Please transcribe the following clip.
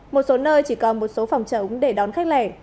một số nơi chỉ có một số phòng trống để đón khách lẻ